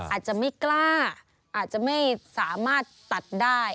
อาจจะไม่กล้าอาจจะไม่สามารถตัดได้